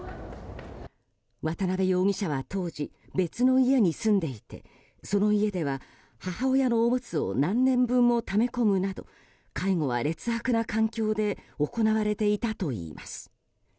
渡辺容疑者は当時別の家に住んでいてその家では、母親のおむつを何年分もため込むなど介護は劣悪な環境で行われていたといいます。